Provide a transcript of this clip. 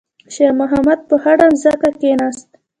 شېرمحمد په خړه ځمکه کېناست.